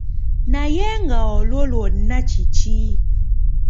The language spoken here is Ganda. Naye nga olwo lwonna kiki?